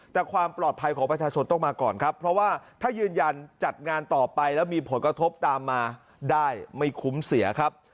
แต่ความปลอดภัยของประชาชนต้องมาก่อนครับเพราะว่าถ้ายืนยันจัดงานต่อไปแล้วมีผลกระทบตามมาได้ไม่คุ้มเสียครับ